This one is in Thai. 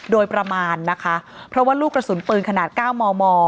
โดยประมาณนะคะเพราะว่าลูกกระสุนปืนขนาด๙มม